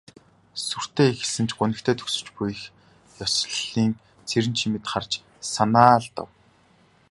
Сүртэй эхэлсэн ч гунигтай төгсөж буй их ёслолыг Цэрэнчимэд харж харж санаа алдав.